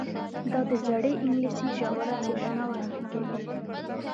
دا د زړې انګلیسي ژوره څیړنه وړاندې کوي.